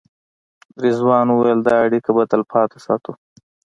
رضوان وویل دا اړیکه به تلپاتې ساتو.